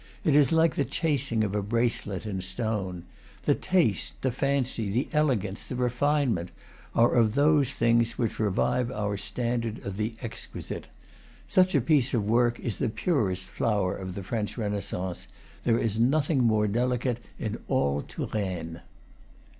It is like the chasing of a bracelet in stone. The taste, the fancy, the elegance, the refinement, are of those things which revive our standard of the exquisite. Such a piece of work is the purest flower of the French Renaissance; there is nothing more delicate in all Touraine.